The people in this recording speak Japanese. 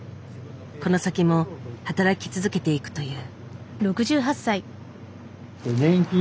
この先も働き続けていくという。